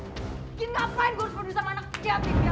bikin ngapain gua harus berdiri sama anak yatim piatu